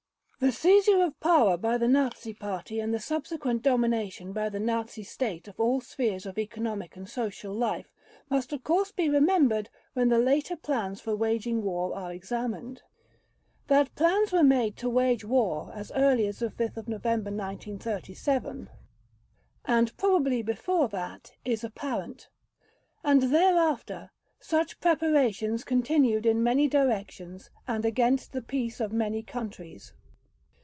The seizure of power by the Nazi Party, and the subsequent domination by the Nazi State of all spheres of economic and social life must of course be remembered when the later plans for waging war are examined. That plans were made to wage war, as early as 5 November 1937, and probably before that, is apparent. And thereafter, such preparations continued in many directions, and against the peace of many countries.